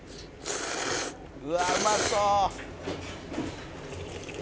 「うわうまそう！」